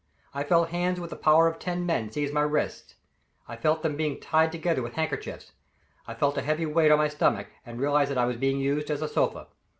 I felt hands with the power of ten men seize my wrists. I felt them being tied together with handkerchiefs; I felt a heavy weight on my stomach, and realized that I was being used as a sofa.